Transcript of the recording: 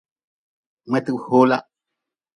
Mngetgi hoola.